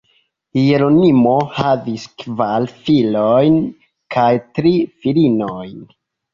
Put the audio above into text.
Hieronimo havis kvar filojn kaj tri filinojn.